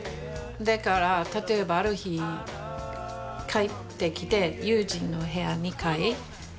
だから例えばある日帰ってきて悠仁の部屋２階